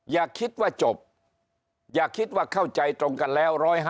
อย่าคิดว่าจบอย่าคิดว่าเข้าใจตรงกันแล้ว๑๕